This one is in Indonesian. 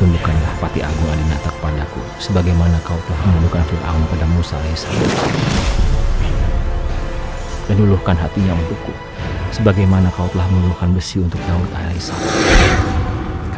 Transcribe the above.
dan kita akan membuat semua orang merasakan penderitaan kita